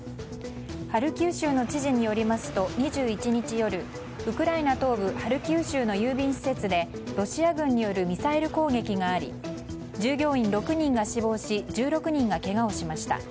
ハルキウ州の知事によりますと２１日夜ウクライナ東部ハルキウ州の郵便施設でロシア軍によるミサイル攻撃があり従業員６人が死亡し１６人がけがをしました。